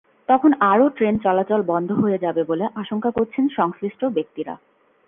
তখন আরও ট্রেন চলাচল বন্ধ হয়ে যাবে বলে আশঙ্কা করছেন সংশ্লিষ্ট ব্যক্তিরা।